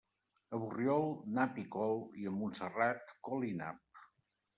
A Borriol, nap i col, i a Montserrat, col i nap.